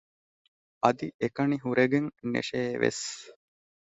އަދި އެކަނި ހުރެގެން ނެށޭވެސް